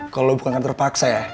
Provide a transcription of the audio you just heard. kalo lo bukan kan terpaksa ya